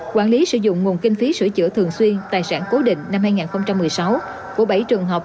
quản lý sử dụng nguồn kinh phí sửa chữa thường xuyên tài sản cố định năm hai nghìn một mươi sáu của bảy trường học